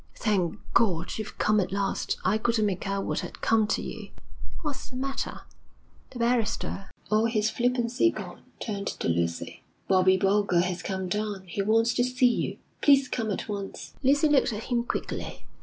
'Thank God, you've come at last! I couldn't make out what had come to you.' 'What's the matter?' The barrister, all his flippancy gone, turned to Lucy. 'Bobbie Boulger has come down. He wants to see you. Please come at once.' Lucy looked at him quickly.